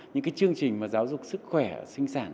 những cái chương trình mà giáo dục sức khỏe sinh sản